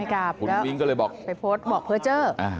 แล้วไปโพสบอกเพื่อเจ้อ